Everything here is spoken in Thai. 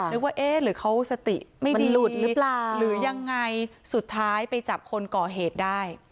นึกว่าเอ๊ะหรือเขาสติไม่ดีหรือยังไงสุดท้ายไปจับคนก่อเหตุได้